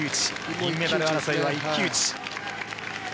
銀メダル争いは一騎打ち。